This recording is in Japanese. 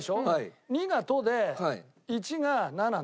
２が「と」で１が「な」